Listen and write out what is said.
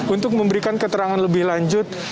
untuk memberikan keterangan lebih lanjut